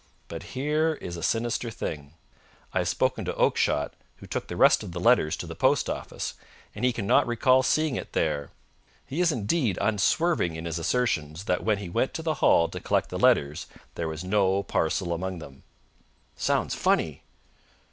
But here is a sinister thing. I have spoken to Oakshott, who took the rest of the letters to the post office, and he cannot recall seeing it there. He is, indeed, unswerving in his assertions that when he went to the hall to collect the letters there was no parcel among them." "Sounds funny!"